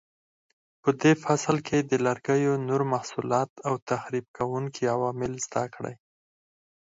په دې فصل کې د لرګیو نور محصولات او تخریب کوونکي عوامل زده کړئ.